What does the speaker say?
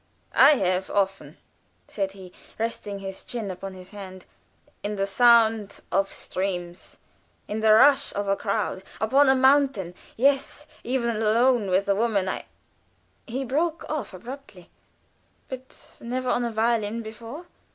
"I have, often," said he, resting his chin upon his hand, "in the sound of streams in the rush of a crowd upon a mountain yes, even alone with the woman I " He broke off abruptly. "But never on a violin before?"